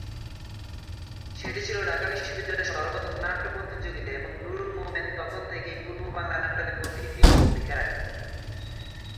সেটি ছিল ঢাকা বিশ্ববিদ্যালয়ের সর্বপ্রথম নাট্য প্রতিযোগিতা এবং নুরুল মোমেন তখন থেকেই পূর্ব বাংলার নাটকে পথিকৃৎ ভূমিকা রাখেন।